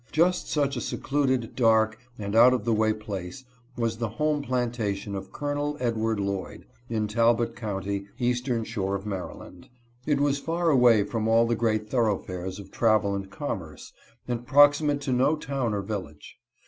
Just such a secluded, dark, and out of the way place was the home plantation of Colonel Edward Lloyd, in Talbot county, eastern shore of Maryland. It was far away (40) colonel Lloyd's plantation. 41 from all the great thoroughfares of travel and commerce, and proximate to no town or village.